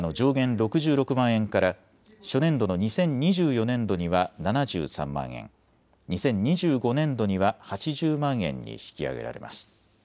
６６万円から初年度の２０２４年度には７３万円、２０２５年度には８０万円に引き上げられます。